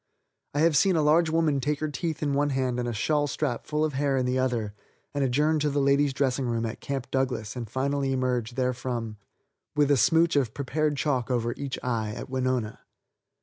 I have seen a large woman take her teeth in one hand and a shawl strap full of hair in the other and adjourn to the ladies' dressing room at Camp Douglas and finally emerge therefrom, with a smooch of prepared chalk over each eye, at Winona.